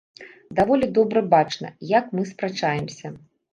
Даволі добра бачна, як мы спрачаемся.